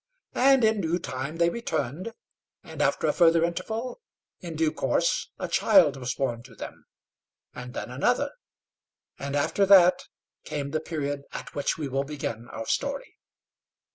And in due time they returned; and after a further interval, in due course, a child was born to them; and then another; and after that came the period at which we will begin our story.